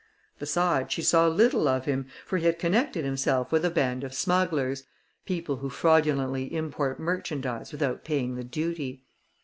Besides, she saw little of him, for he had connected himself with a band of smugglers people who fraudulently import merchandise without paying the duty.